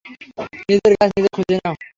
নিজের গাছ নিজে খুঁজে নাও।